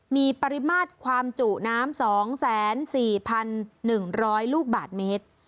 มีปริมาตรความจุน้ำสองแสนสี่พันหนึ่งร้อยลูกบาทเมตร